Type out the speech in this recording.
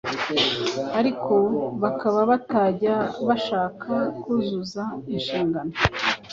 ariko bakaba batajya bashaka kuzuza inshingano